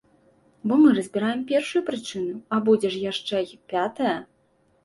Бо мы разбіраем першую прычыну, а будзе ж яшчэ й пятая!